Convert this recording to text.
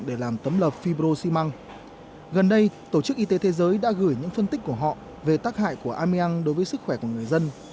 đã đặt tích của họ về tác hại của amiang đối với sức khỏe của người dân